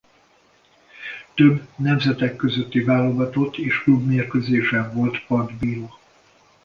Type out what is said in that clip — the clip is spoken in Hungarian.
Több nemzetek közötti válogatott és klubmérkőzésen volt partbíró.